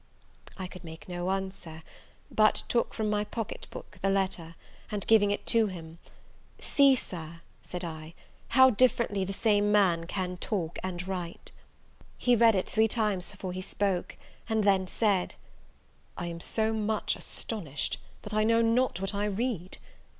I could make no answer; but took from my pocket book the letter, and giving it to him, "See, Sir," said I, "how differently the same man can talk and write!" He read it three times before he spoke; and then said, "I am so much astonished, that I know not what I read.